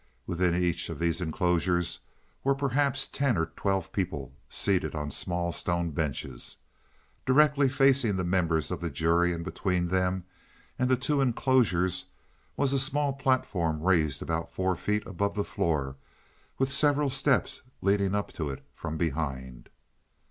Within each of these enclosures were perhaps ten or twelve people seated on small stone benches. Directly facing the members of the jury and between them and the two enclosures, was a small platform raised about four feet above the floor, with several steps leading up to it from behind.